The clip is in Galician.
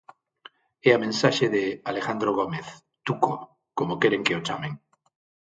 É a mensaxe de Alejandro Gómez, Tuco, como queren que o chamen.